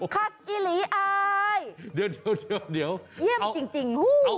คักอิหรี่อายเยี่ยมจริงฮู้